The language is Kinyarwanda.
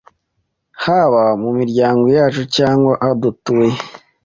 haba mu miryango yacu cyangwa aho dutuye.